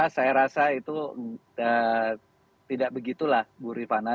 saya rasa itu tidak begitu lah bu rifana